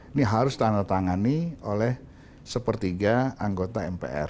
ini harus ditandatangani oleh sepertiga anggota mpr